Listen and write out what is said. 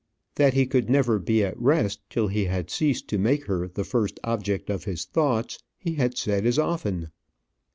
That he could never be at rest till he had ceased to make her the first object of his thoughts he had said as often.